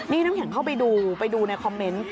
นี่น้ำแข็งเข้าไปดูไปดูในคอมเมนต์